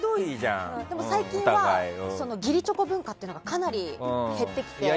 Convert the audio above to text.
でも、最近は義理チョコ文化がかなり減ってきて。